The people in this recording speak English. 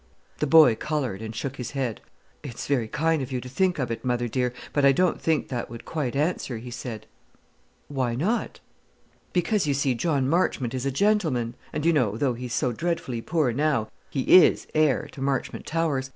The boy coloured, and shook his head. "It's very kind of you to think of it, mother dear; but I don't think that would quite answer," he said. "Why not?" "Because, you see, John Marchmont is a gentleman; and, you know, though he's so dreadfully poor now, he is heir to Marchmont Towers.